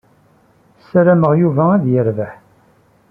Ssarameɣ Yuba ad yerbeḥ.